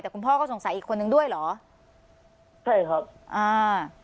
แต่คุณพ่อก็สงสัยอีกคนนึงด้วยเหรอใช่ครับอ่า